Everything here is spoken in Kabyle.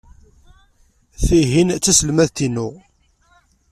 Tihin d taselmadt-inu.